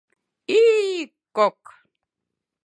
Иик-кок!